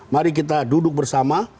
mari kita duduk bersama